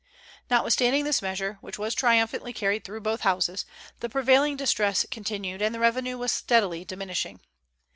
Notwithstanding this measure, which was triumphantly carried through both Houses, the prevailing distress continued, and the revenue was steadily diminishing.